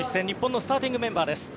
日本のスターティングメンバー。